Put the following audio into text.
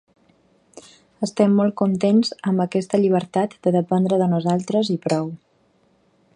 Estem molt contents amb aquesta llibertat de dependre de nosaltres i prou.